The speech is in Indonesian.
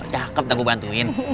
cakep tuh aku bantuin